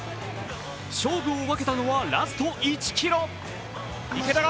勝負を分けたのは、ラスト１ｋｍ。